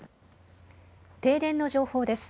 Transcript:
停電の情報です。